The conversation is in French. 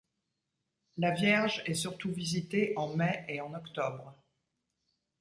La Vierge est surtout visitée en mai et en octobre.